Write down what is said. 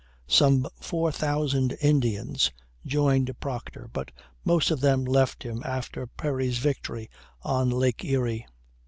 Some four thousand Indians joined Proctor, but most of them left him after Perry's victory on Lake Erie.